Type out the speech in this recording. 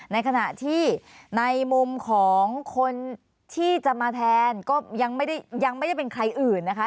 ในขณะที่ในมุมของคนที่จะมาแทนก็ยังไม่ได้ยังไม่ได้เป็นใครอื่นนะคะ